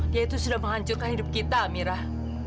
dia itu sudah menghancurkan hidup kita amirah